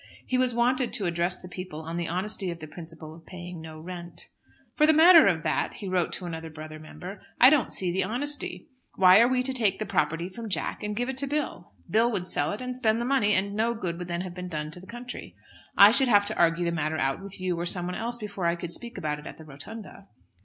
He was wanted to address the people on the honesty of the principle of paying no rent. "For the matter of that," he wrote to another brother member, "I don't see the honesty. Why are we to take the property from Jack and give it to Bill? Bill would sell it and spend the money, and no good would then have been done to the country. I should have to argue the matter out with you or someone else before I could speak about it at the Rotunda."